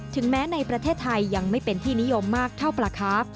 แม้ในประเทศไทยยังไม่เป็นที่นิยมมากเท่าปลาคาร์ฟ